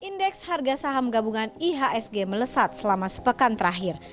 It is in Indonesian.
indeks harga saham gabungan ihsg melesat selama sepekan terakhir